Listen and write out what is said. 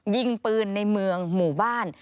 ยิงปืนในเมืองหมู่บ้าน